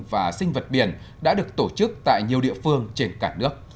và sinh vật biển đã được tổ chức tại nhiều địa phương trên cả nước